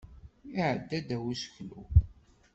Iɛedda ddaw useklu.